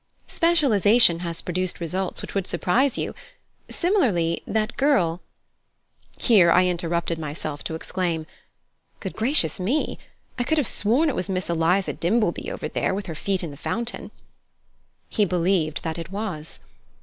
Specialization has produced results which would surprise you. Similarly, that girl " Here I interrupted myself to exclaim: "Good gracious me! I could have sworn it was Miss Eliza Dimbleby over there, with her feet in the fountain!" He believed that it was.